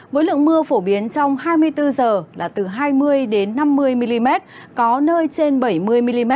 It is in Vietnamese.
với lượng mưa phổ biến trong hai mươi bốn giờ là từ hai mươi năm mươi mm